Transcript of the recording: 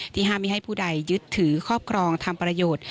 ห้ามไม่ให้ผู้ใดยึดถือครอบครองทำประโยชน์